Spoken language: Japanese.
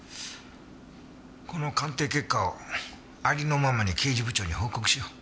この鑑定結果をありのままに刑事部長に報告しよう。